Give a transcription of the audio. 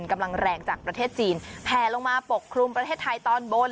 กำลังแรงจากประเทศจีนแผลลงมาปกครุมประเทศไทยตอนบน